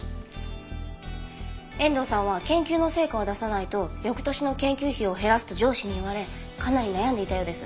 遠藤さんは研究の成果を出さないと翌年の研究費を減らすと上司に言われかなり悩んでいたようです。